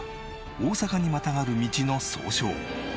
大阪にまたがる道の総称。